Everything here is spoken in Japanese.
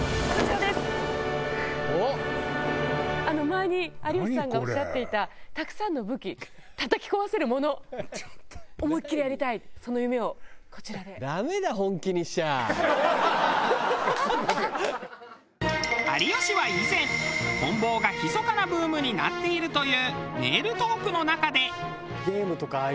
前に有吉さんがおっしゃっていた有吉は以前「こん棒がひそかなブームになっている」というメールトークの中で。